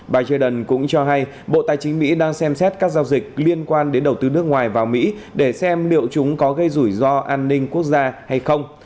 bà jordan cũng cho hay bộ tài chính mỹ đang xem xét các giao dịch liên quan đến đầu tư nước ngoài vào mỹ để xem liệu chúng có gây rủi ro an ninh quốc gia hay không